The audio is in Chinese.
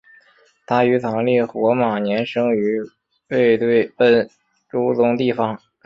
他于藏历火马年生于卫堆奔珠宗地方。